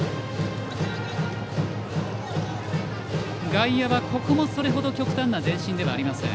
外野はここもそれほど極端な前進ではありません。